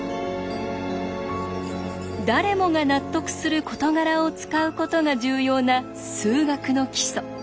誰もが納得する事柄を使うことが重要な数学の基礎。